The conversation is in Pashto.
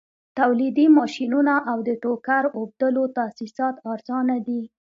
تولیدي ماشینونه او د ټوکر اوبدلو تاسیسات ارزانه دي